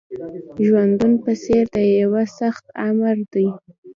ژوندون په څېر د یوه سخت آمر دی